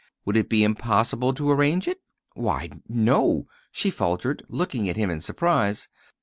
Would it be impossible to arrange it?" "Why, no," she faltered, looking at him in surprise.